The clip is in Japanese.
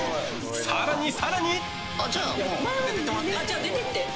更に、更に。